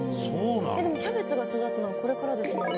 でもキャベツが育つのはこれからですよね？